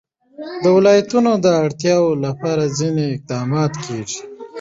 د ولایتونو د اړتیاوو لپاره ځینې اقدامات کېږي.